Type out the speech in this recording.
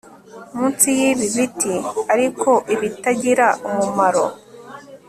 munsi yibi biti, ariko, ibitagira umumaro